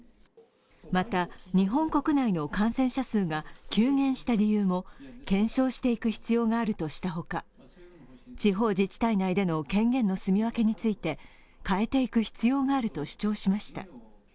また、日本国内の感染者数が急減した理由を検証していく必要があるとしたほか地方自治体内での権限のすみ分けについて変えていく必要があると主張しました。